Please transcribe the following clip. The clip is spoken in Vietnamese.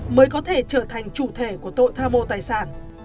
mới có thể trở thành chủ thể của tội tham mô tài sản